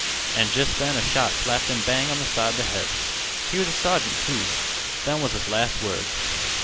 An' jest then a shot slapped him bang on th' side th' head. He was a sergeant, too. Them was his last words.